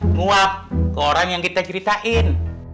menguap ke orang yang kita ceritain